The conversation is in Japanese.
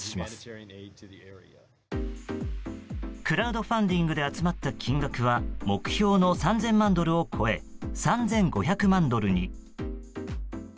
クラウドファンディングで集まった金額は目標の３０００万ドルを超え３５００万ドルに。